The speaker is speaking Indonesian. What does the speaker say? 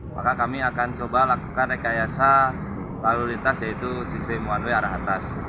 maka kami akan coba lakukan rekayasa lalu lintas yaitu sistem one way arah atas